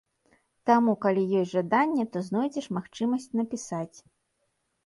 Таму, калі ёсць жаданне, то знойдзеш магчымасць напісаць.